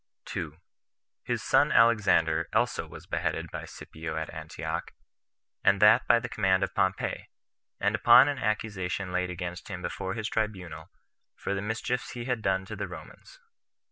2. His son Alexander also was beheaded by Scipio at Antioch, and that by the command of Pompey, and upon an accusation laid against him before his tribunal, for the mischiefs he had done to the Romans.